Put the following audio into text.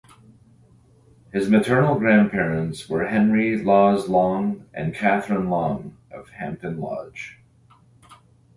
His maternal grandparents were Henry Lawes Long and Catharine Long of Hampton Lodge.